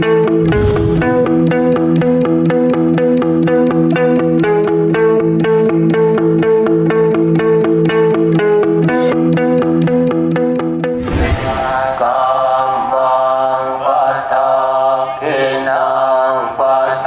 ให้เรารู้ว่าที่อำเผนนี้มีของดีอะไรบ้างครับ